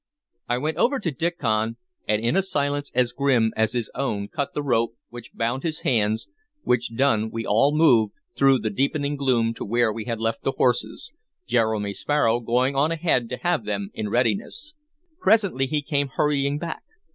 I went over to Diccon, and in a silence as grim as his own cut the rope which bound his hands, which done we all moved through the deepening gloom to where we had left the horses, Jeremy Sparrow going on ahead to have them in readiness. Presently he came hurrying back.